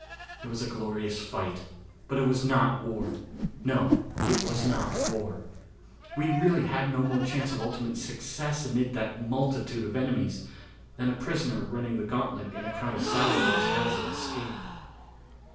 It was a glorious fight, but it was not war; no, it was not war. We really had no more chance of ultimate success amid that multitude of enemies than a prisoner running the gauntlet in a crowd of savages has of escape.